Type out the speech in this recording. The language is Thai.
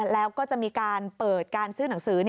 แล้วก็จะมีการเปิดการซื้อหนังสือ